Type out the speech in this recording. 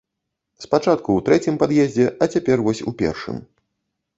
Спачатку ў трэцім пад'ездзе, а цяпер вось у першым.